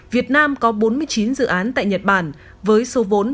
việt nam có bốn mươi chín dự án tại nhật bản với số vốn bảy năm triệu usd